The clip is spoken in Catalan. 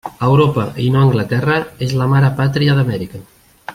Europa, i no Anglaterra, és la mare pàtria d'Amèrica.